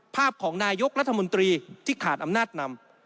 ภาพของนายกรัฐมนตรีที่ขาดอำนาจนำ